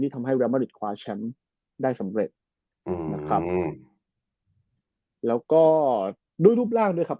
ที่ทำให้ได้สำเร็จอืมนะครับแล้วก็ด้วยรูปร่างด้วยครับ